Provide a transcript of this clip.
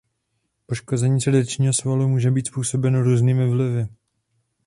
Poškození srdečního svalu může být způsobeno různými vlivy.